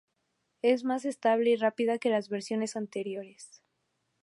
Es más estable y rápida que las versiones anteriores.